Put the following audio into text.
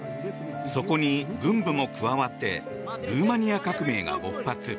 そこに軍部も加わってルーマニア革命が勃発。